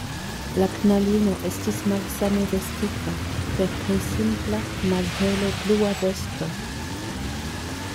La knabino estis malsame vestita, per tre simpla, malhele blua vesto.